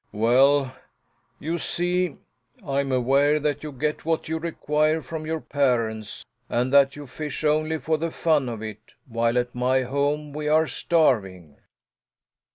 "Well, you see, I'm aware that you get what you require from your parents and that you fish only for the fun of it, while at my home we are starving."